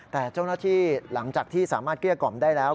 แต่เจ้าหน้าที่หลังจากที่สามารถเกลี้ยกล่อมได้แล้ว